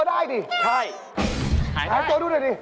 ไม่หาอยู่เลย